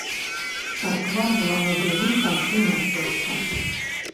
Царква была на другім канцы мястэчка.